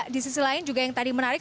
di sisi lain juga yang tadi menarik